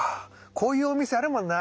こういうお店あるもんな。